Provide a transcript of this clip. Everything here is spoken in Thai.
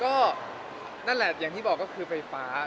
ก็นั่นแหละอย่างที่บอกก็คือไฟฟ้า